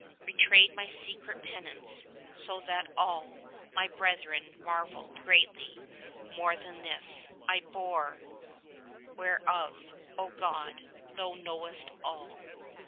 Betrayed my secret penance, so that all My brethren marvell'd greatly. More than this I bore, whereof, O God, Thou knowest all.